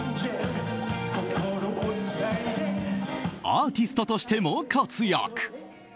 アーティストとしても活躍。